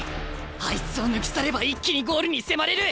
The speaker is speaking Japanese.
あいつを抜き去れば一気にゴールに迫れる！